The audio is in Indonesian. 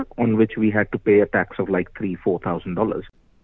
pada mana kami harus meminta uang tiga empat ribu dolar